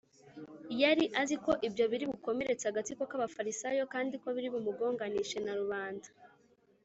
yari azi ko ibyo biri bukomeretse agatsiko k’abafarisayo kandi ko biri bumugonganishe na rubanda